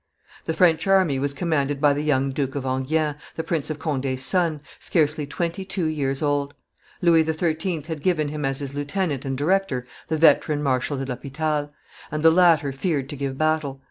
The French army was commanded by the young Duke of Enghien, the Prince of Conde's son, scarcely twenty two years old; Louis XIII. had given him as his lieutenant and director the veteran Marshal de l'Hopital; and the latter feared to give battle.